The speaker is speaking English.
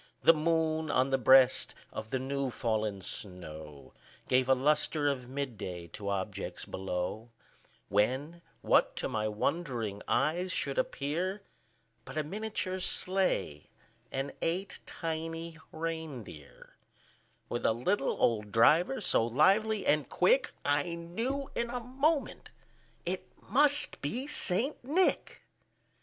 The moon, on the breast of the new fallen snow, Gave a lustre of mid day to objects below; When, what to my wondering eyes should appear, But a miniature sleigh, and eight tiny rein deer, With a little old driver, so lively and quick, I knew in a moment it must be St. Nick.